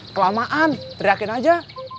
kelamaan teriakin aja